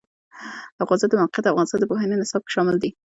د افغانستان د موقعیت د افغانستان د پوهنې نصاب کې شامل دي.